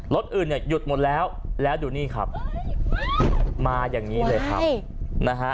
รถอื่นเนี่ยหยุดหมดแล้วแล้วดูนี่ครับมาอย่างนี้เลยครับนะฮะ